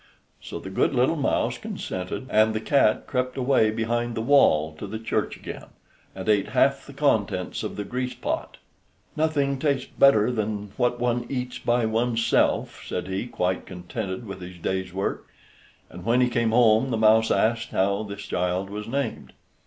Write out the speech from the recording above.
So the good little mouse consented, and the cat crept away behind the wall to the church again, and ate half the contents of the grease pot. "Nothing tastes better than what one eats by one's self," said he, quite contented with his day's work; and when he came home the mouse asked how this child was named.